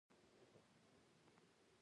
قاتلان په دې وپوهول شي.